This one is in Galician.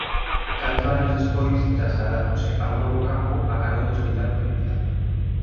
Catro anos despois trasladáronse a un novo campo a carón do Hospital Provincial.